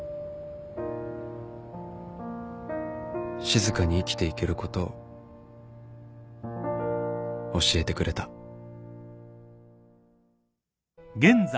静かに生きていけることを教えてくれたね